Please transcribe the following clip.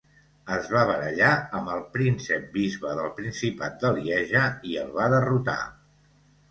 Es va barallar amb el príncep-bisbe del Principat de Lieja, i el va derrotar.